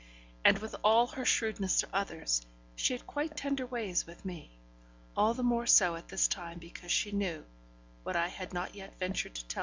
And with all her shrewdness to others, she had quite tender ways with me; all the more so at this time because she knew, what I had not yet ventured to tell M.